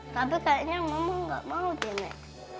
tapi kayaknya mama gak mau deh nek